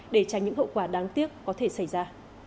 để tránh những hậu quả đáng tiếc có thể xảy ra